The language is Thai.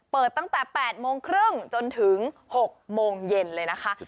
เปิดตั้งแต่๘โมงครึ่งจนถึง๖โมงเย็นเลยนะคะ